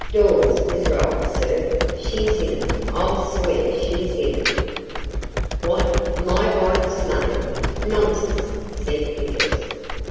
Dawes was right, sir. She's in it; I'll swear she's in it." "What! my wife's maid? Nonsense!" said Vickers.